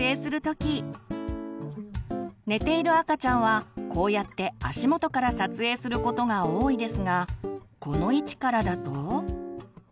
寝ている赤ちゃんはこうやって足元から撮影することが多いですがこの位置からだと。